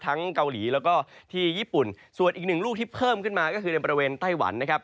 เกาหลีแล้วก็ที่ญี่ปุ่นส่วนอีกหนึ่งลูกที่เพิ่มขึ้นมาก็คือในบริเวณไต้หวันนะครับ